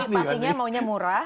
pastinya maunya murah